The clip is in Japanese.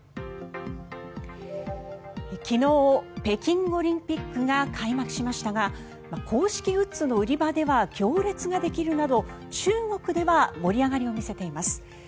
昨日、北京オリンピックが開幕しましたが公式グッズの売り場では行列ができるなど中国では盛り上がりを見せています。